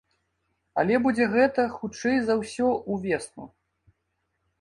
Але будзе гэта, хутчэй за ўсё, ўвесну.